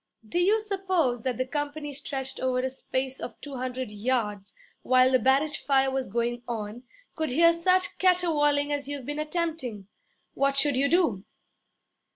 'Do you suppose that the company stretched over a space of two hundred yards, while the barrage fire was going on, could hear such caterwauling as you've been attempting? What should you do?'